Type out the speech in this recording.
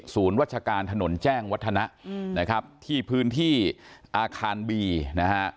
วัชการถนนแจ้งวัฒนะนะครับที่พื้นที่อาคารบีนะฮะ